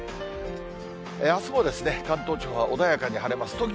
あすも関東地方は穏やかに晴れます。